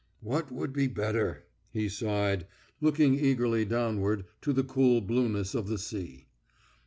"What would be better?" he sighed, looking eagerly downward to the cool blueness of the sea.